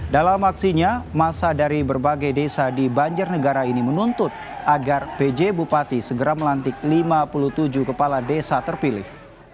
dalam aksinya masa dari berbagai desa di banjarnegara ini menuntut agar pj bupati segera melantik lima puluh tujuh kepala desa terpilih